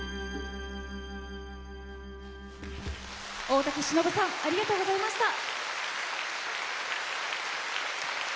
大竹しのぶさんありがとうございました。